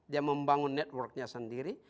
dia membangun networknya sendiri